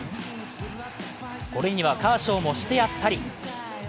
これにはカーショーもしてやったり。